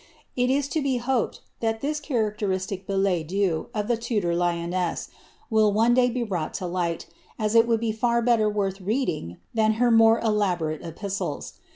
It is to be hoped that ih cbamcleristic biUeldoux of the Tudor lioness wUI one dny be broughl 10 light, as it would be far better wnilh the reading than her mon borate epistles.